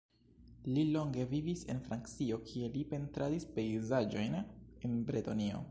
Li longe vivis en Francio, kie li pentradis pejzaĝojn en Bretonio.